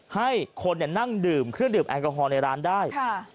ให้คนนั่งดื่มเครื่องดื่มแอลกอฮอลในร้านได้